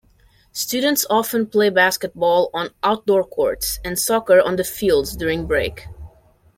Students often play basketball on outdoor courts, and soccer on the fields during break.